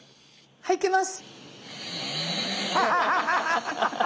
はい来ます。